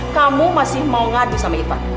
kamu masih mau ngadu sama hitam